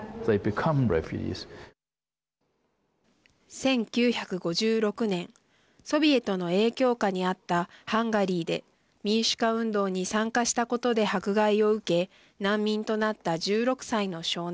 １９５６年ソビエトの影響下にあったハンガリーで民主化運動に参加したことで迫害を受け難民となった１６歳の少年